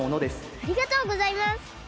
ありがとうございます！